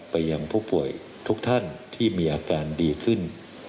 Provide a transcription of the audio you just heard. ยังผู้ป่วยทุกท่านที่มีอาการดีขึ้น